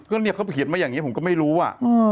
ก็เนี่ยเขาเขียนมาอย่างนี้ผมก็ไม่รู้อ่ะ